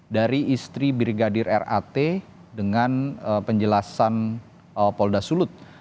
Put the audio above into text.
dari istri brigadir rat dengan penjelasan polda sulut